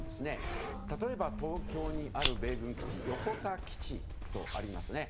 例えば東京にある米軍基地横田基地がありますね。